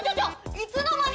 いつの間に！？